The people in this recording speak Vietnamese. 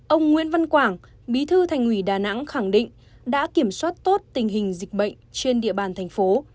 ông nguyễn văn quảng bí thư thành ủy đà nẵng khẳng định đã kiểm soát tốt tình hình dịch bệnh trên địa bàn thành phố